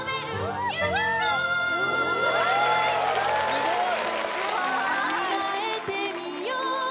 すごーい